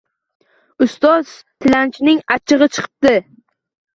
Ustoz tilanchining achchig’i chiqibdi.